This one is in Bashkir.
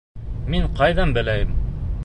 Мин ҡайҙан беләйем?